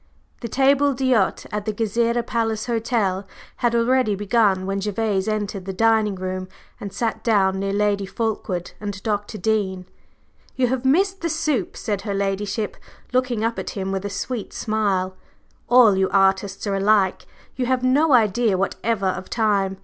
/The/ table d'hôte at the Gezireh Palace Hotel had already begun when Gervase entered the dining room and sat down near Lady Fulkeward and Dr. Dean. "You have missed the soup," said her ladyship, looking up at him with a sweet smile. "All you artists are alike, you have no idea whatever of time.